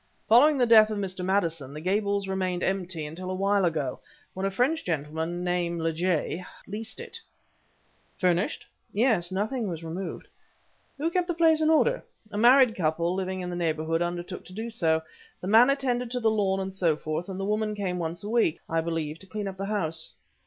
Following the death of Mr. Maddison, the Gables remained empty until a while ago, when a French gentleman, name Lejay, leased it " "Furnished?" "Yes; nothing was removed " "Who kept the place in order?" "A married couple living in the neighborhood undertook to do so. The man attended to the lawn and so forth, and the woman came once a week, I believe, to clean up the house."